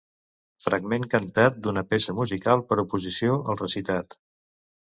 Fragment cantat d'una peça musical per oposició al recitat.